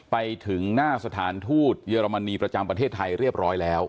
ไปถึงหน้าสถานทูตเยอรมนีประจำประเทศไทยเรียบร้อยแล้ว